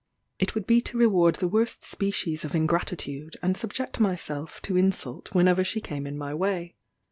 It would be to reward the worst species of ingratitude, and subject myself to insult whenever she came in my way.